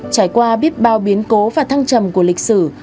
trải qua biết bao biến cố và thăng trầm của lịch sử